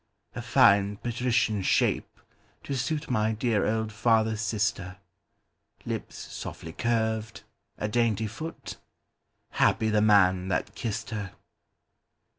A fine patrician shape, to suitMy dear old father's sister—Lips softly curved, a dainty foot; Happy the man that kissed her!